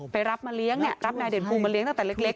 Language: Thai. รับมาเลี้ยงเนี่ยรับนายเด่นภูมิมาเลี้ยตั้งแต่เล็ก